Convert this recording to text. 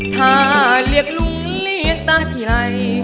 ถ้าเรียกลุงเรียกตาทีไร